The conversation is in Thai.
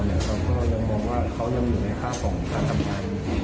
เราก็ยังมองว่าเขายังอยู่ในข้าวของท่ารัมราย